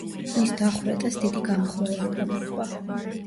მის დახვრეტას დიდი გამოხმაურება მოჰყვა.